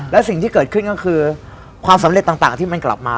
และสิ่งที่เกิดขึ้นก็คือความสำเร็จต่างที่มันกลับมา